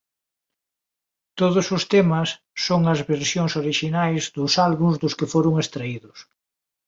Todos os temas son as versións orixinais dos álbums dos que foron extraídos.